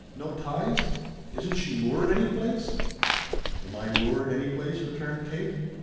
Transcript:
No ties? Isn't she moored any place?" "Am I 'moored' any place?" returned Kate.